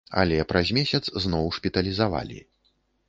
Але праз месяц зноў шпіталізавалі.